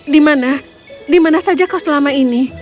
dimana dimana saja kau selama ini